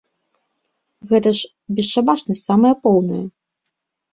Гэта ж бесшабашнасць самая поўная!